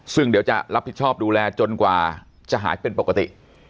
ซึ่งเดี๋ยวจะรับผิดชอบดูแลจนกว่าจะหายเป็นปกติ